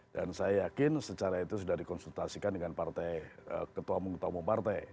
dan saya yakin secara itu sudah dikonsultasikan dengan partai ketamu ketamu partai